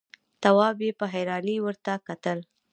تواب په حيرانۍ ورته کتل…